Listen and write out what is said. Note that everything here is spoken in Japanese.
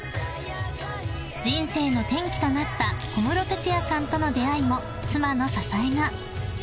［人生の転機となった小室哲哉さんとの出会いも妻の支えが］